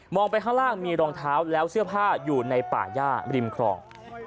ไปข้างล่างมีรองเท้าแล้วเสื้อผ้าอยู่ในป่าย่าริมครอง